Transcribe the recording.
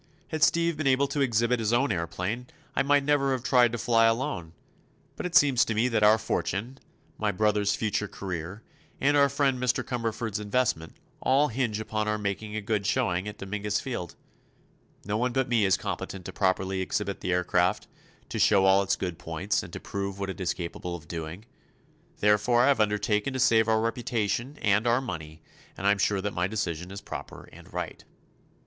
Had Steve been able to exhibit his own aëroplane I might never have tried to fly alone; but it seems to me that our fortune, my brother's future career, and our friend Mr. Cumberford's investment, all hinge upon our making a good showing at Dominguez Field. No one but me is competent to properly exhibit the aircraft, to show all its good points and prove what it is capable of doing. Therefore I have undertaken to save our reputation and our money, and I am sure that my decision is proper and right."